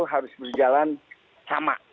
harus berjalan sama